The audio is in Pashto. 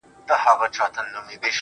اوس سودايي يمه اوس داسې حرکت کومه~